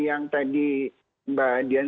yang tadi mbak dian